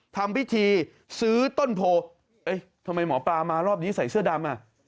ทำพิธีซื้อต้นโพเอ้ยทำไมหมอปลามารอบนี้ใส่เสื้อดำอ่ะ